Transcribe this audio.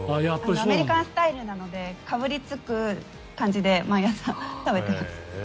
アメリカンスタイルなのでかぶりつく感じで毎朝、食べています。